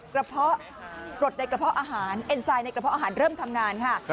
เพาะกรดในกระเพาะอาหารเอ็นไซด์ในกระเพาะอาหารเริ่มทำงานค่ะ